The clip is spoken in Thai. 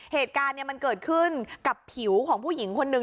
เหตุการณ์มันเกิดขึ้นกับผิวของผู้หญิงคนนึง